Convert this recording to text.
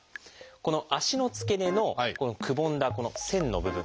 この足の付け根のこのくぼんだこの線の部分。